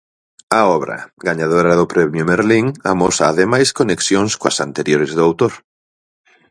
A obra, gañadora do Premio Merlín, amosa ademais conexións coas anteriores do autor.